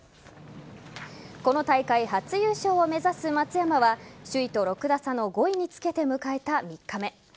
この大会、初優勝を目指す松山は首位と６打差の５位につけて迎えた、３日目。